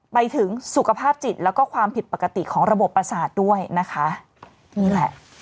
ไปถึงสุขภาพจิตแล้วก็ความผิดปกติของระบบประสาทด้วยนะคะนี่แหละ